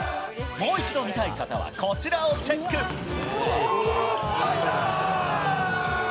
もう一度見たい方はこちらをオイサー！